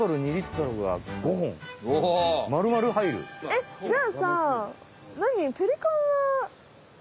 えっじゃあさ何？